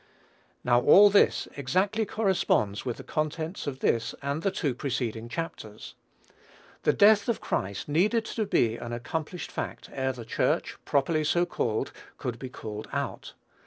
Now all this exactly corresponds with the contents of this and the two preceding chapters. The death of Christ needed to be an accomplished fact ere the Church, properly so called, could be called out.